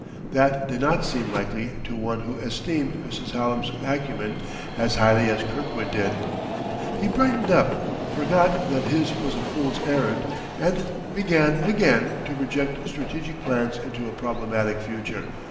That did not seem likely to one who esteemed Mrs. Hallam's acumen as highly as Kirkwood did. He brightened up, forgot that his was a fool's errand, and began again to project strategic plans into a problematic future.